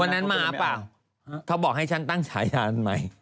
มานั้นมาเปล่าเขาบอกให้ฉันตั้งฉายานใหม่